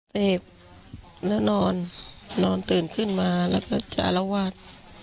เสพแล้วนอนนอนตื่นขึ้นมาแล้วก็จารวาส